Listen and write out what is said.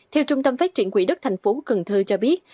theo trung tâm phát triển quỹ đất thành phố cần thơ cho biết